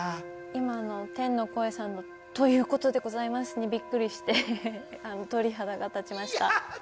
今、天の声さんの「ということでございます」にびっくりして鳥肌が立ちました。